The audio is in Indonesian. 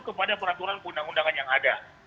kepada peraturan undang undangan yang ada